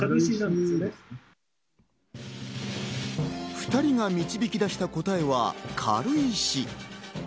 ２人が導き出した答えは軽石。